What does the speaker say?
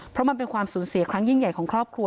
เพราะมันเป็นความสูญเสียครั้งยิ่งใหญ่ของครอบครัว